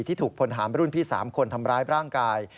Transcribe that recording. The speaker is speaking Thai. ที่ถูกพลหามรุ่นพี่๓คนทำร้ายร่างกาย